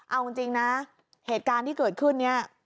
เอาจริงนะเหตุการณ์ที่เกิดขึ้นเนี่ย